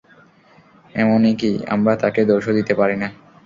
এমনি কি, আমরা তাকে দোষও দিতে পারি না।